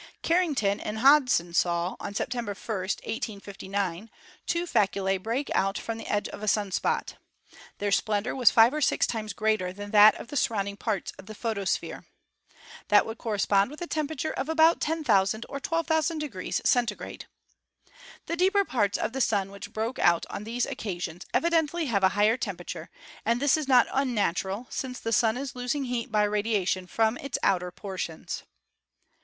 Carrington and Hodgson saw, on Sep tember 1, 1859, two faculae break out from the edge of a sun spot. Their splendor was five or six times greater than that of the surrounding parts of the photosphere. That would correspond with a temperature of about 10,000 or 12,000° C. The deeper parts of the Sun which broke out on these occasions evidently have a higher tempera ture, and this is not unnatural, since the Sun is losing heat by radiation from its outer portions.